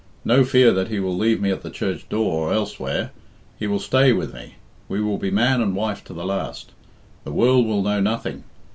No fear that he will leave me at the church door or elsewhere. He will stay with me. We will be man and wife to the last. The world will know nothing.